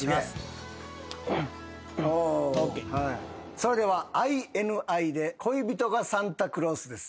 それではＩＮＩで『恋人がサンタクロース』です。